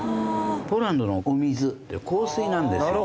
ポーランドのお水って硬水なんですよ